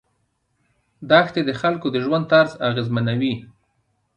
دښتې د خلکو د ژوند طرز اغېزمنوي.